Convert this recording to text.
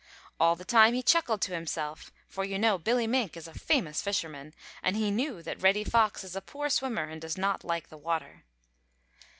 All the time he chuckled to himself, for you know Billy Mink is a famous fisherman, and he knew that Reddy Fox is a poor swimmer and does not like the water.